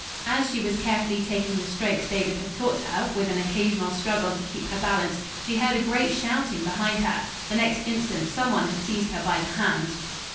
As she was carefully taking the strokes David had taught her, with an occasional struggle to keep her balance, she heard a great shouting behind her. The next instant, some one had seized her by the hand.